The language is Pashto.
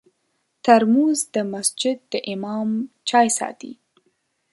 ترموز د مسجد د امام چای ساتي.